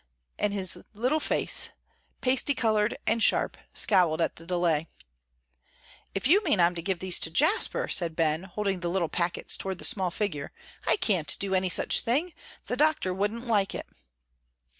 and his little face, pasty colored and sharp, scowled at the delay. "If you mean I'm to give these to Jasper," said Ben, holding the little packets toward the small figure, "I can't do any such thing; the doctor wouldn't like it."